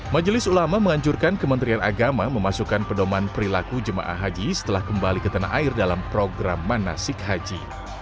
majelis ulamak menganjurkan kementerian agama memasukkan pendoman perilaku jemaah haji setelah kembali ke tanah air dalam program manasik haji